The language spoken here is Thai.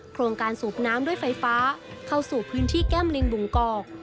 โครงการสูบน้ำด้วยไฟฟ้าเข้าสู่พื้นที่แก้มลิงบุงกอก